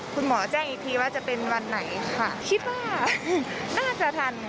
คุณหมอแจ้งอีกทีว่าจะเป็นวันไหนค่ะคิดว่าน่าจะทัน